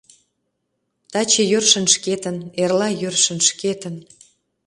Таче йӧршын шкетын, эрла йӧршын шкетын.